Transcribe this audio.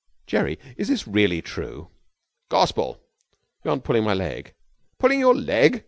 'Jerry, is this really true?' 'Gospel.' 'You aren't pulling my leg?' 'Pulling your leg?